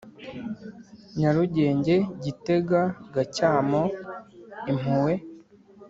Nyarugenge Gitega Gacyamo Impuhwe